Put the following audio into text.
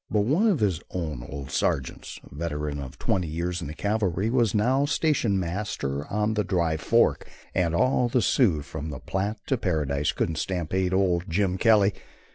But one of his own old sergeants, a veteran of twenty years in the cavalry, was now stationmaster on the Dry Fork, and all the Sioux from the Platte to Paradise couldn't stampede old Jim Kelly.